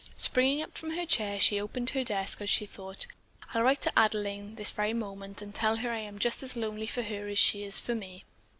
Springing up from her chair, she opened her desk as she thought, "I'll write to Adelaine this very moment and tell her that I am just as lonely for her as she is for me."